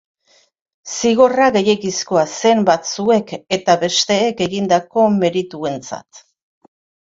Zigorra gehiegizkoa zen batzuek eta besteek egindako merituentzat.